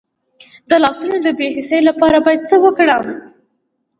د لاسونو د بې حسی لپاره باید څه وکړم؟